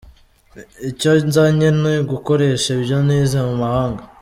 Icyo nzanye ni gukoresha ibyo nize mu mahanga.